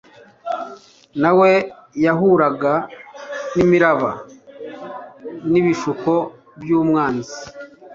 na we yahuraga n'imiraba n'ibishuko by'umwanzi.